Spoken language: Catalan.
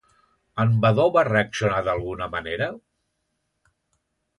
En Vadó va reaccionar d'alguna manera?